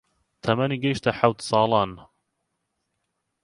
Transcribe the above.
تەمەنی گەیشتە حەوت ساڵان